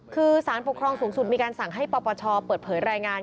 คือสารปกครองสูงสุดมีการสั่งให้ปปชเปิดเผยรายงาน